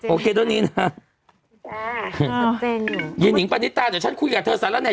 โอเคตัวนี้น่ะจ้าจ้าเจนอยู่เยนิงปานิตาเดี๋ยวฉันคุยกับเธอซะแล้วเนี่ย